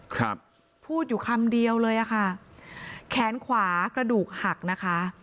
ครับพูดอยู่คำเดียวเลยอ่ะค่ะแขนขวากระดูกหักนะคะ